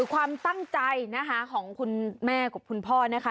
ความตั้งใจนะคะของคุณแม่กับคุณพ่อนะคะ